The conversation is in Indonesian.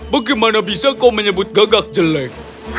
bagaimana bisa kau menyebut gagak jelek